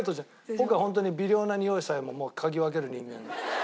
僕はホントに微量なにおいさえも嗅ぎ分ける人間。